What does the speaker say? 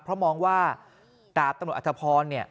เพราะมองว่าดาบตำรวจอธพร